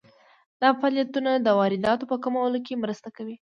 دا فعالیتونه د وارداتو په کمولو کې مرسته کوي.